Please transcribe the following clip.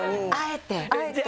あえて！